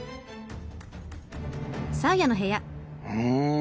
うん。